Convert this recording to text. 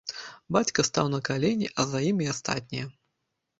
Бацька стаў на калені, а за ім і астатнія.